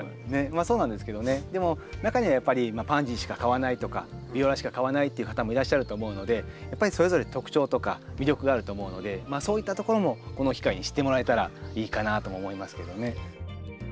まあそうなんですけどねでも中にはやっぱりパンジーしか買わないとかビオラしか買わないっていう方もいらっしゃると思うのでやっぱりそれぞれ特徴とか魅力があると思うのでそういったところもこの機会に知ってもらえたらいいかなとも思いますけどね。